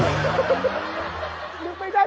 ถึงไม่ได้ที่ลาย